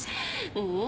ううん。